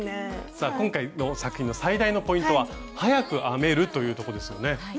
さあ今回の作品の最大のポイントは早く編めるというとこですよね。